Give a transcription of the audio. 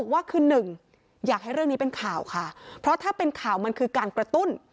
ว่าคือหนึ่งอยากให้เรื่องนี้เป็นข่าวค่ะเพราะถ้าเป็นข่าวมันคือการกระตุ้น